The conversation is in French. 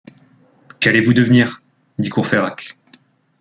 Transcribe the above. Qu’allez-vous devenir ? dit Courfeyrac.